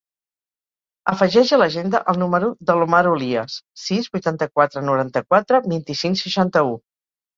Afegeix a l'agenda el número de l'Omar Olias: sis, vuitanta-quatre, noranta-quatre, vint-i-cinc, seixanta-u.